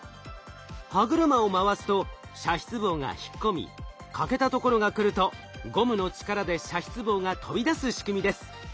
歯車を回すと射出棒が引っ込み欠けたところが来るとゴムの力で射出棒が飛び出す仕組みです。